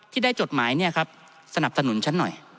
ที่ได้จดหมายเนี่ยครับสนับสนุนฉันหน่อย